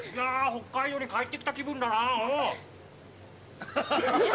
北海道に帰ってきた気分だな、お！